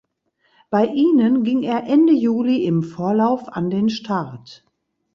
Bei ihnen ging er Ende Juli im Vorlauf an den Start.